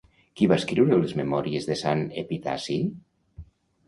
Qui va escriure les memòries de Sant Epitaci?